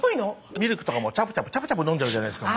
ミルクとかもチャプチャプチャプチャプ飲んじゃうじゃないですか。